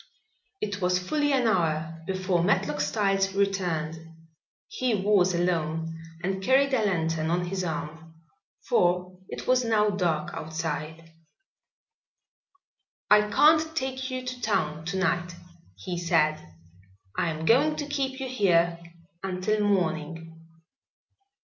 It was fully an hour before Matlock Styles returned. He was alone and carried a lantern on his arm, for it was now dark outside. "I can't take you to town to night," he said. "I am going to keep you here until morning."